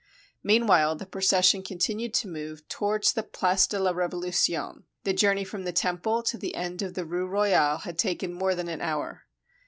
Meanwhile the procession con tinued to move towards the Place de la Revolution. The journey from the Temple to the end of the Rue Royale had taken more than an hour.